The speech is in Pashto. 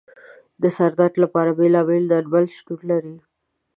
د سر درد لپاره بېلابېل درمل شتون لري.